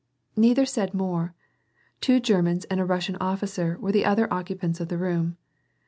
Neither said more ; two Germans and a Russian officer were the other occupants of the room.